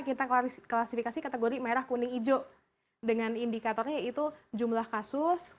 kita klasifikasi kategori merah kuning hijau dengan indikatornya yaitu jumlah kasus